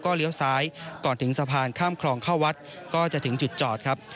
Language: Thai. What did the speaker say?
เลี้ยวซ้ายก่อนถึงสะพานข้ามคลองเข้าวัดก็จะถึงจุดจอดครับ